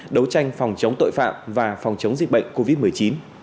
đấu tranh phòng chống tội phạm và phòng chống dịch bệnh covid một mươi chín